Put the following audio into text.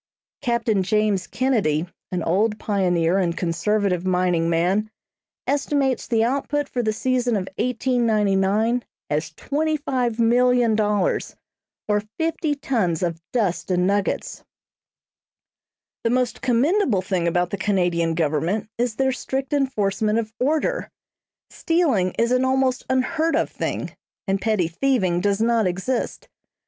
Captain James Kennedy, an old pioneer and conservative mining man, estimates the output for the season of 1899 as $25,000,000, or fifty tons of dust and nuggets. The most commendable thing about the Canadian Government is their strict enforcement of order. Stealing is an almost unheard of thing, and petty thieving does not exist.